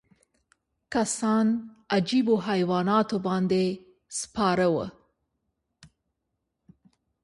کسان عجیبو حیواناتو باندې سپاره وو.